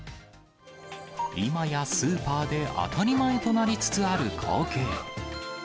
今やスーパーで当たり前となりつつある光景。